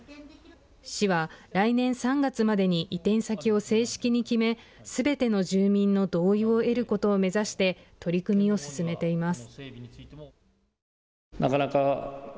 市は来年３月までに移転先を正式に決め、すべての住民の同意を得ることを目指して取り組みを進めています。